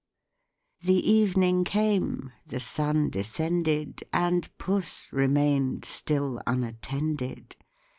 The evening came, the sun descended, And Puss remain'd still unattended.